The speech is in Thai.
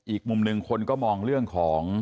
อีกมุมหนึ่งคนก็มองเรื่องของ